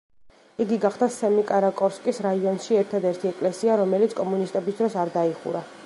იგი გახდა სემიკარაკორსკის რაიონში ერთადერთი ეკლესია, რომელიც კომუნისტების დროს არ დაიხურა.